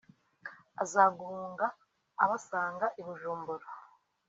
aza guhunga abasanga i Bujumbura